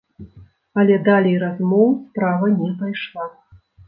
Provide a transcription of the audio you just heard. Але далей размоў справа не пайшла.